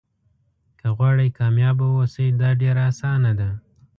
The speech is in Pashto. که غواړئ کامیابه واوسئ دا ډېره اسانه ده.